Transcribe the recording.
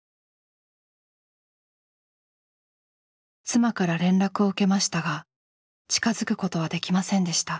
妻から連絡を受けましたが近づくことはできませんでした。